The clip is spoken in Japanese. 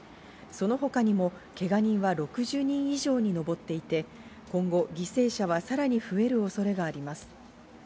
その他にもけが人は６０人以上にのぼっていて今後、犠牲者はさらに増える恐れがあります。